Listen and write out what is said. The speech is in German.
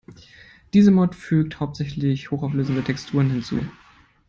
Diese Mod fügt hauptsächlich hochauflösende Texturen hinzu.